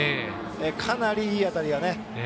かなりいい当たりが。